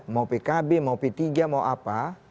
mau pkb mau p tiga mau apa